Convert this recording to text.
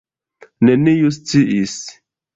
Neniu sciis.